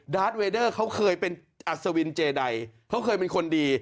ดาร์ทเวดเดอร์เค้าเคยเป็นอัสวินเจดัยเค้าเคยเป็นคนดี